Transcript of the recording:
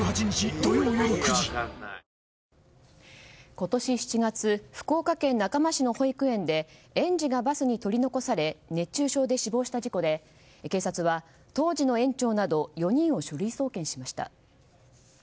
今年７月福岡県中間市の保育園で園児がバスに取り残され熱中症で死亡した事故で警察は当時の園長など４人を書類送検しました。